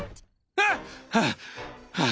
ああ！